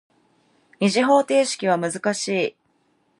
二次方程式は難しい。